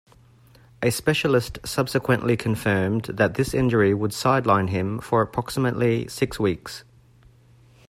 A specialist subsequently confirmed that this injury would sideline him for approximately six weeks.